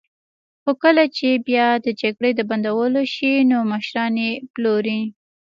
خو کله چې بیا د جګړې د بندولو شي، نو مشران یې پلوري.